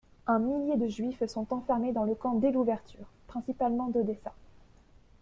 Un millier de Juifs sont enfermés dans le camp dès l'ouverture, principalement d'Odessa.